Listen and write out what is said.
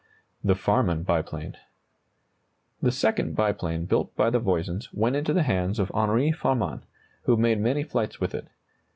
THE FARMAN BIPLANE. The second biplane built by the Voisins went into the hands of Henri Farman, who made many flights with it.